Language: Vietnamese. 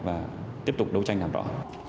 và tiếp tục đấu tranh làm rõ